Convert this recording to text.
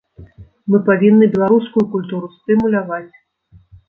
Мы павінны беларускую культуру стымуляваць.